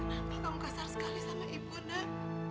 kenapa kamu kasar sekali sama ibu nek